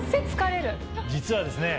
実はですね